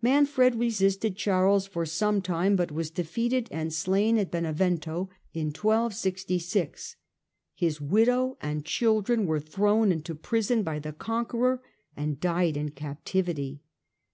Manfred resisted Charles for some time but was defeated and slain at Benevento in 1 266. His widow and children were thrown into prison by the conqueror and died in captivity.